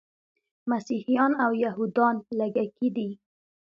مسیحیان او یهودان لږکي دي.